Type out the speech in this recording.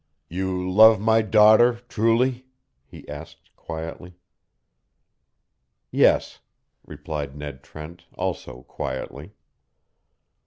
"You love my daughter truly?" he asked, quietly. "Yes," replied Ned Trent, also quietly.